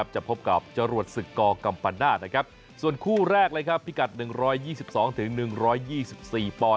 จะพบกับจรวดศึกกกัมปะนาฏส่วนคู่แรกพิกัด๑๒๒๑๒๔ปอน